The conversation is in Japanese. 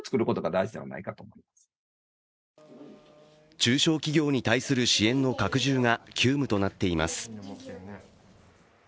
中小企業に対する支援の拡充が急務となっています。